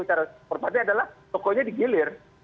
secara seperempatnya adalah pokoknya digilir